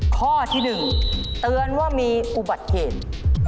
ข้อที่๑เตือนว่ามีอุบัติเหตุ